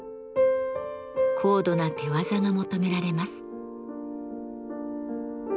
高度な手業が求められます。